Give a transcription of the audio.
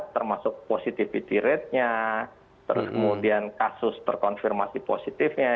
termasuk positivity ratenya terus kemudian kasus terkonfirmasi positifnya